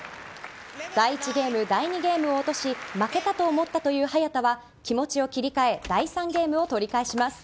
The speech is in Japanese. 第１ゲーム、第２ゲームを落とし負けたと思ったという早田は気持ちを切り替え第３ゲームを取り返します。